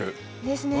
ですね。